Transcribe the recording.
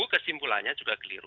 kesimpulannya juga keliru